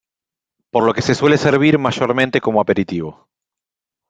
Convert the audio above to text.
Por lo que se suele servir mayormente como aperitivo.